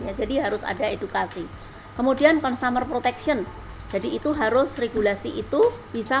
ya jadi harus ada edukasi kemudian consumer protection jadi itu harus regulasi itu bisa